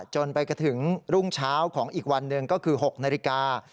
จนไปกระถึงรุ่งเช้าของอีกวันหนึ่งก็คือ๖นาฬิกา